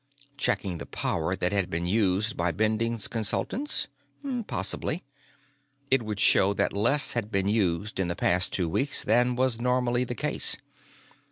Checking the power that had been used by Bending Consultants? Possibly. It would show that less had been used in the past two weeks than was normally the case.